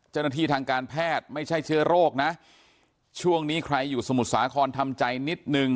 ทางการแพทย์ไม่ใช่เชื้อโรคนะช่วงนี้ใครอยู่สมุทรสาครทำใจนิดนึง